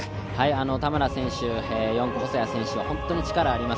田村選手、４区、細谷選手はホントに力があります。